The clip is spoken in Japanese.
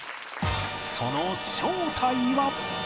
その正体は。